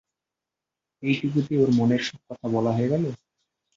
এইটুকুতে ওর মনের সব কথা বলা হয়ে গেল।